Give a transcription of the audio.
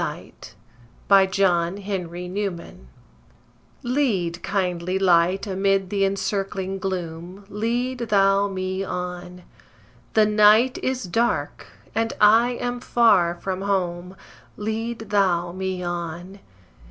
MICHELET LEAD, KINDLY LIGHT Lead, kindly Light, amid th' encircling gloom, Lead Thou me on; The night is dark, and I am far from home, Lead Thou me on.